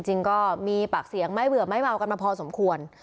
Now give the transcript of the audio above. จริงก็มีปากเสียงไม่เบื่อไม่เมากันมาพอสมควร